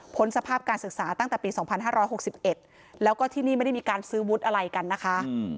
สภาพการศึกษาตั้งแต่ปี๒๕๖๑แล้วก็ที่นี่ไม่ได้มีการซื้อวุฒิอะไรกันนะคะ